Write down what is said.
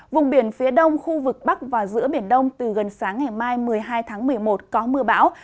vùng biển phía đông khu vực bắc và giữa biển đông từ gần sáng ngày mai một mươi hai tháng một mươi một có mưa bão